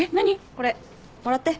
これもらって。